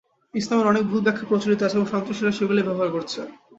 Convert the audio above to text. ইসলামের অনেক ভুল ব্যাখ্যা প্রচলিত আছে এবং সন্ত্রাসীরা সেগুলোই ব্যবহার করছে।